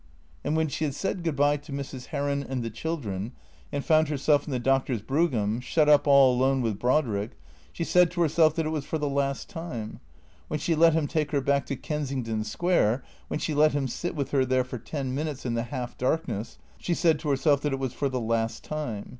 And when she had said good bye to Mrs. Heron and the chil dren, and found herself in the doctor's brougham, shut up all alone with Brodrick, she said to herself that it was for the last time. When she let him take her back to Kensington Square, when she let him sit with her there for ten minutes in the half darkness, she said to herself that it was for the last time.